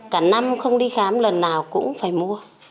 cả năm không đi khám lần nào cũng phải mua